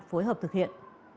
phối hợp thực hiện